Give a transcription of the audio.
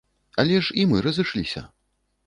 Але ж і мы разышліся.